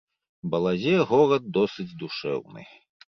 Балазе горад досыць душэўны.